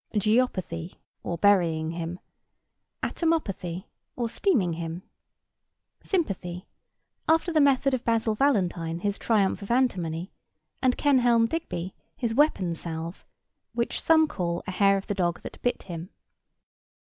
Geopathy, or burying him. Atmopathy, or steaming him. Sympathy, after the method of Basil Valentine his Triumph of Antimony, and Kenelm Digby his Weapon salve, which some call a hair of the dog that bit him.